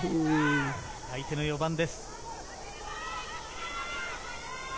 相手の４番です。